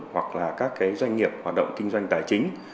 hoặc là các cái doanh nghiệp hoạt động kinh doanh tài chính